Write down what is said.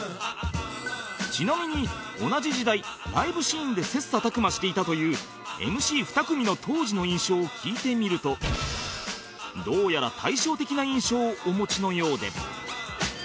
ちなみに同じ時代ライブシーンで切磋琢磨していたという ＭＣ２ 組の当時の印象を聞いてみるとどうやら対照的な印象をお持ちのようで